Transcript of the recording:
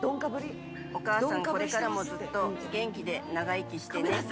お母さん、これからもずっと元気で長生きしてね。